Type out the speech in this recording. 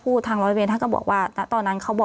พี่เรื่องมันยังไงอะไรยังไง